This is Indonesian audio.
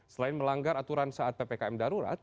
selain melanggar aturan saat ppkm darurat